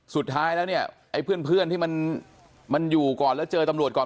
สุดท้ายแล้วเนี่ยไอ้เพื่อนที่มันอยู่ก่อนแล้วเจอตำรวจก่อน